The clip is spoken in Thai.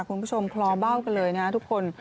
คุณผู้ชมคลอเบ้ากันเลยนะทุกคน